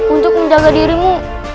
untuk menjaga dirimu